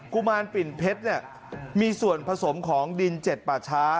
ุมารปิ่นเพชรมีส่วนผสมของดินเจ็ดป่าช้า